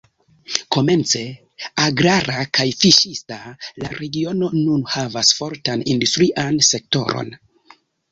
Komence agrara kaj fiŝista, la regiono nun havas fortan industrian sektoron.